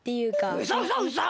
うそうそうそ！